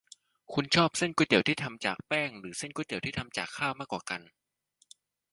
คุณชื่นชอบเส้นก๋วยเตี๋ยวที่ทำจากแป้งหรือเส้นก๋วยเตี๋ยวที่ทำจากข้าวมากกว่ากัน ?